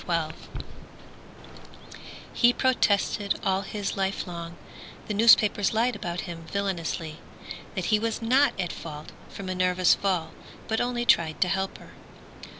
Meyers He protested all his life long The newspapers lied about him villainously; That he was not at fault for Minerva's fall, But only tried to help her.